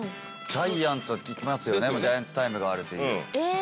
ジャイアンツは聞きますよね、ジャイアンツタイムがあるって。